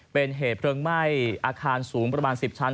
เป็นเหตุเพลิงไหม้อาคารสูงประมาณ๑๐ชั้น